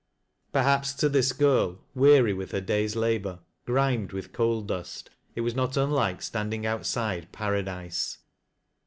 Perhaps to this girl, weary with her day's labor, grimed with coal dust, it was not unlike standing outside paradise.